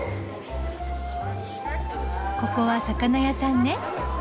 ここは魚屋さんね。